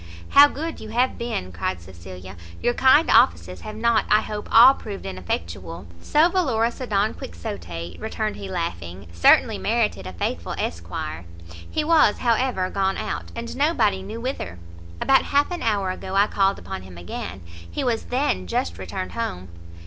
"How good you have been!" cried Cecilia; "your kind offices have not, I hope, all proved ineffectual!" "So valorous a Don Quixote," returned he, laughing, "certainly merited a faithful Esquire! He was, however, gone out, and nobody knew whither. About half an hour ago I called upon him again; he was then just returned home."